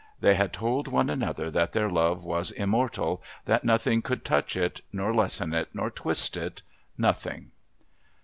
They had told one another that their love was immortal, that nothing could touch it, nor lessen it, nor twist it nothing!